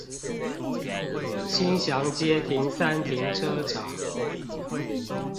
興祥街停三停車場